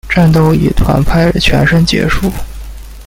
战斗以团派全胜结束。